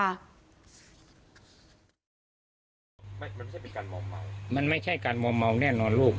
มันไม่ใช่เป็นการมอมเมามันไม่ใช่การมอมเมาแน่นอนลูก